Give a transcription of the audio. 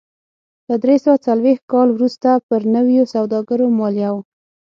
له درې سوه څلرویشت کال وروسته پر نویو سوداګرو مالیه و